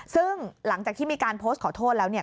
ซึ่งหลังจากที่มีการโพสต์ขอโทษแล้วเนี่ย